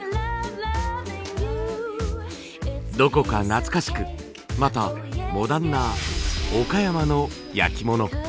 どこか懐かしくまたモダンな岡山の焼き物。